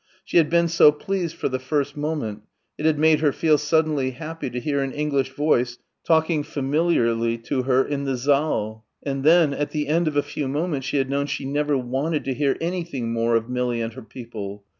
She had been so pleased for the first moment. It had made her feel suddenly happy to hear an English voice talking familiarly to her in the saal. And then at the end of a few moments she had known she never wanted to hear anything more of Millie and her people.